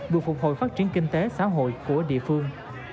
vừa phục hồi phát triển kinh tế xã hội của địa phương